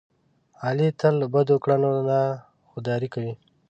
علي تل له بدو کړنو نه خوداري کوي.